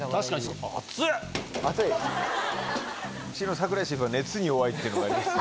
うちの櫻井シェフは熱に弱いっていうのが。